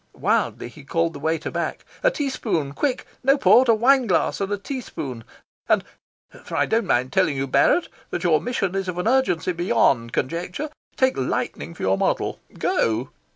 Wildly he called the waiter back. "A tea spoon, quick! No port. A wine glass and a tea spoon. And for I don't mind telling you, Barrett, that your mission is of an urgency beyond conjecture take lightning for your model. Go!"